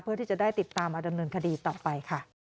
เพื่อที่จะได้ติดตามอดเรินคดีต่อไป